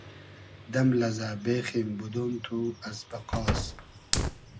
دئم لئزۂ بېخیم بودۉن تو از بئقاس